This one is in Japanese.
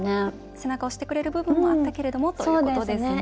背中を押してくれる部分もあったけれどもということですね。